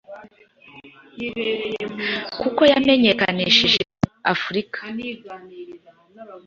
kuko yamenyekanishije Afrika